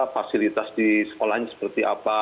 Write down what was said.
fasilitas di sekolahnya seperti apa